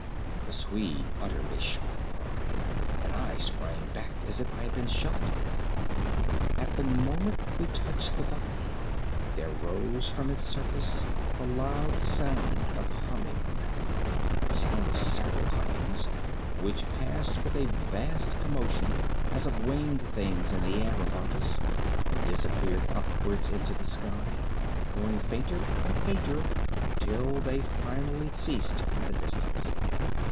The Swede uttered a sharp cry. And I sprang back as if I had been shot. At the moment we touched the body there rose from its surface the loud sound of humming—the sound of several hummings—which passed with a vast commotion as of winged things in the air about us and disappeared upwards into the sky, growing fainter and fainter till they finally ceased in the distance.